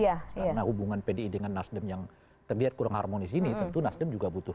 karena hubungan pdi dengan nasdem yang terlihat kurang harmonis ini tentu nasdem juga butuh